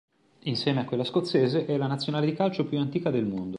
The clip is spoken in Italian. Insieme a quella scozzese, è la nazionale di calcio più antica del mondo.